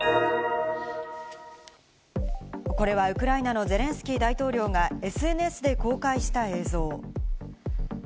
これはウクライナのゼレンスキー大統領がＳＮＳで公開した映像。